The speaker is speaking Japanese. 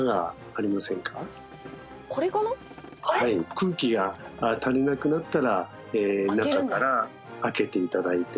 空気が足りなくなったら中から開けて頂いて。